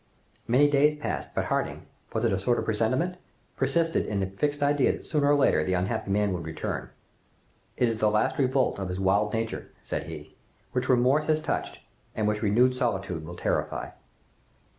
Many days passed; but Harding was it a sort of presentiment? persisted in the fixed idea that sooner or later the unhappy man would return. "It is the last revolt of his wild nature," said he, "which remorse has touched, and which renewed solitude will terrify."